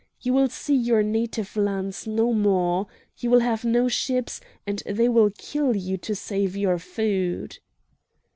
You will see your native lands no more! You will have no ships, and they will kill you to save your food!"